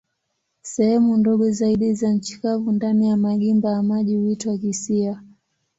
Sehemu ndogo zaidi za nchi kavu ndani ya magimba ya maji huitwa kisiwa.